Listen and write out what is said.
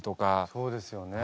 そうですよね。